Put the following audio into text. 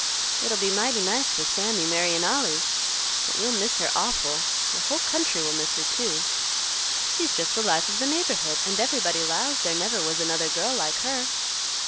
It'll be mighty nice for Sammy, marryin' Ollie, but we'll miss her awful; the whole country will miss her, too. She's just the life of the neighborhood, and everybody 'lows there never was another girl like her.